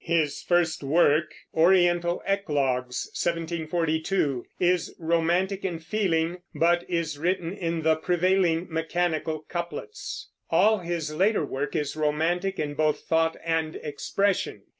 His first work, Oriental Eclogues (1742), is romantic in feeling, but is written in the prevailing mechanical couplets. All his later work is romantic in both thought and expression.